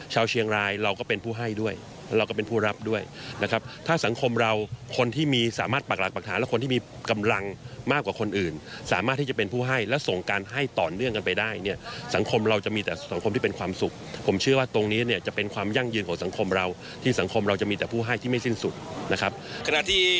ชาวเชียงรายเราก็เป็นผู้ให้ด้วยแล้วเราก็เป็นผู้รับด้วยนะครับถ้าสังคมเราคนที่มีสามารถปากหลักปรักฐานและคนที่มีกำลังมากกว่าคนอื่นสามารถที่จะเป็นผู้ให้และส่งการให้ต่อเนื่องกันไปได้เนี่ยสังคมเราจะมีแต่สังคมที่เป็นความสุขผมเชื่อว่าตรงนี้เนี่ยจะเป็นความยั่งยืนของสังคมเราที่สังคมเราจะมีแต่ผู้ให้ที่ไม่สิ้นสุดนะครับขณะที่